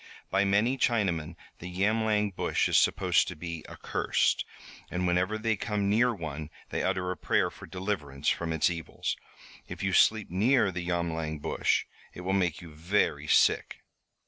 By many Chinamen the yamlang bush is supposed to be accursed, and whenever they come near one they utter a prayer for deliverance from its evils. If you sleep near the yamlang bush it will make you very sick."